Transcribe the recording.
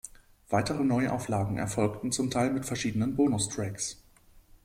Weitere Neuauflagen erfolgten zum Teil mit verschiedenen Bonustracks.